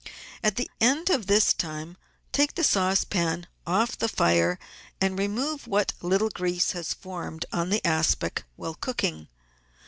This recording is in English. At the end of this time take the saucepan off the fire and remove what little grease has formed on the aspic while cooking.